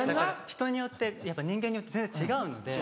人によって人間によって全然違うので。